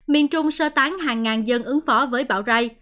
miền trung sơ tán hàng ngàn dân ứng phó với bão ra